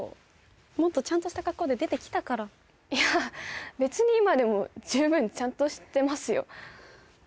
もっとちゃんとした格好で出てきたからいや別に今でも十分ちゃんとしてますよ？